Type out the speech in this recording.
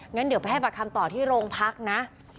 งั้นเดี๋ยวไปให้ประคำต่อที่โรงพักนะ